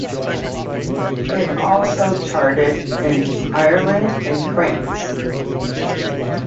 It also charted in Ireland and France.